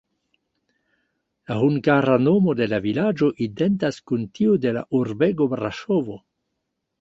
La hungara nomo de la vilaĝo identas kun tiu de la urbego Braŝovo.